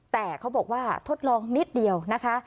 แต่เขาบอกว่าทดลองนิดเดียวนะคะ